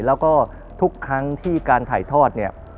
และก็ทุกครั้งที่การถ่ายทอด